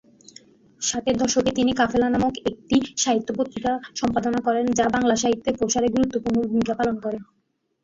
ষাটের দশকে তিনি ‘কাফেলা’ নামক একটি সাহিত্য পত্রিকা সম্পাদনা করেন যা বাংলা সাহিত্যের প্রসারে গুরুত্বপূর্ণ ভূমিকা পালন করে।